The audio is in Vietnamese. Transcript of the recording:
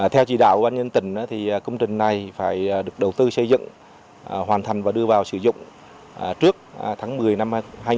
theo chỉ đạo của ban nhân tỉnh công trình này phải được đầu tư xây dựng hoàn thành và đưa vào sử dụng trước tháng một mươi năm hai nghìn một mươi chín